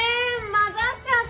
混ざっちゃった！